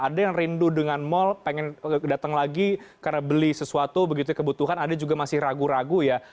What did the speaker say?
ada yang rindu dengan mal pengen datang lagi karena beli sesuatu begitu kebutuhan ada juga masih ragu ragu ya